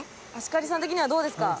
芦刈さん的にはどうですか？